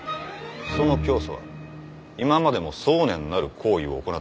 その教祖は今までも送念なる行為を行ってきたのか？